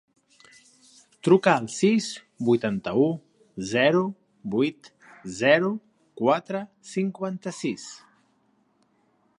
Truca al sis, vuitanta-u, zero, vuit, zero, quatre, cinquanta-sis.